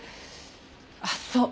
あっそう